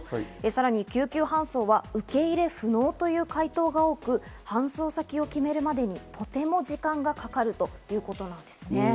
さらに救急搬送は受け入れ不能という回答が多く、搬送先を決めるまでにとても時間がかかるということなんですね。